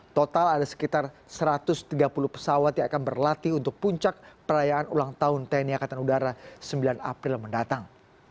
total ada sekitar satu ratus tiga puluh pesawat yang akan berlatih untuk puncak perayaan ulang tahun tni angkatan udara sembilan april mendatang